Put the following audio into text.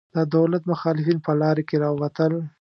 د دولت مخالفین په لاره کې راوتل.